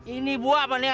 ini buah apa nih